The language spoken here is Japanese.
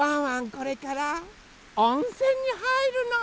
これからおんせんにはいるの。